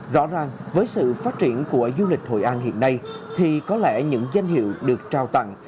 rõ ràng với sự phát triển của du lịch hội an hiện nay thì có lẽ những danh hiệu được trao tặng